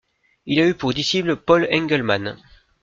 Il a eu pour disciple Paul Engelmann.